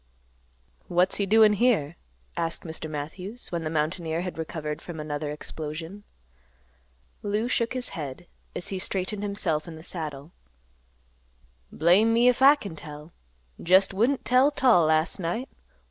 "What's he doin' here?" asked Mr. Matthews, when the mountaineer had recovered from another explosion. Lou shook his head, as he straightened himself in the saddle. "Blame me 'f I kin tell. Jest wouldn't tell 't all last night.